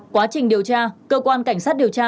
quá trình điều tra cơ quan cảnh sát điều tra